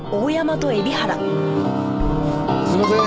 すいません。